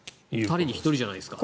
２人に１人じゃないですか。